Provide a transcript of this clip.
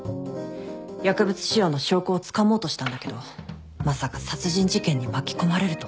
薬物使用の証拠をつかもうとしたんだけどまさか殺人事件に巻き込まれるとは。